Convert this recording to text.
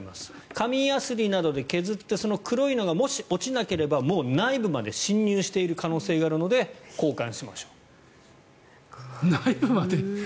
紙ヤスリなどで削ってその黒いのがもし落ちなければ、もう内部まで侵入している可能性があるので内部まで侵入。